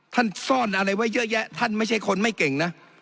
ซ่อนอะไรไว้เยอะแยะท่านไม่ใช่คนไม่เก่งนะ